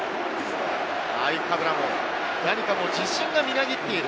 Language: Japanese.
ナイカブラも自信がみなぎっている。